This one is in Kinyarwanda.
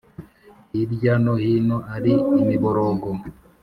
hirya no hino ari imiborogo